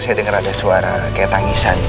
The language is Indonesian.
saya dengar ada suara kayak tangisan